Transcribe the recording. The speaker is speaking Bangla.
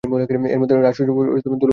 এর মধ্যে 'রাস-উৎসব' ও 'দোল-উৎসব' অন্যতম।